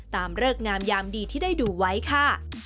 เริกงามยามดีที่ได้ดูไว้ค่ะ